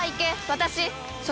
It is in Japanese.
私！